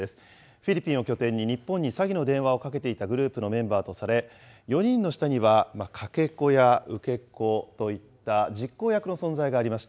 フィリピンを拠点に、日本に詐欺の電話をかけていたグループのメンバーとされ、４人の下にはかけ子や受け子といった実行役の存在がありました。